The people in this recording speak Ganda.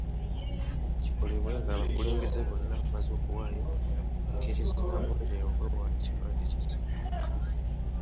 Kikolebwe nga abakulembeze bonna bamaze okuwaayo engeri ezinagobererwa okwewala ekirwadde kya ssennyiga omukambwe.